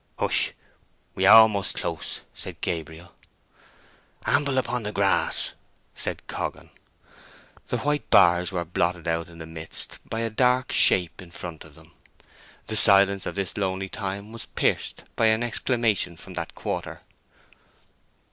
"Hush—we are almost close!" said Gabriel. "Amble on upon the grass," said Coggan. The white bars were blotted out in the midst by a dark shape in front of them. The silence of this lonely time was pierced by an exclamation from that quarter.